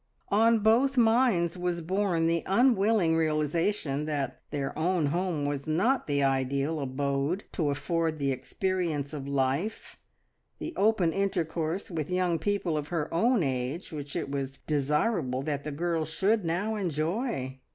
On both minds was borne the unwilling realisation that their own home was not the ideal abode to afford the experience of life, the open intercourse with young people of her own age which it was desirable that the girl should now enjoy.